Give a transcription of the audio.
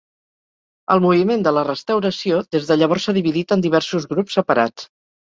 El Moviment de la Restauració des de llavors s'ha dividit en diversos grups separats.